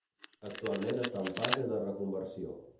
Actualment està en fase de reconversió.